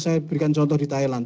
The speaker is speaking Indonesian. saya berikan contoh di thailand